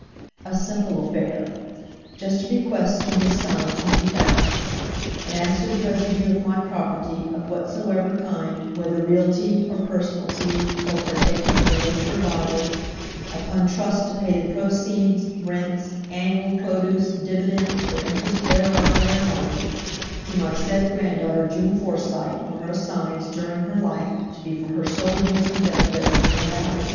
A simple affair. Just a bequest to his son of twenty thousand, and "as to the residue of my property of whatsoever kind whether realty or personalty, or partaking of the nature of either—upon trust to pay the proceeds rents annual produce dividends or interest thereof and thereon to my said grand daughter June Forsyte or her assigns during her life to be for her sole use and benefit and without, etc...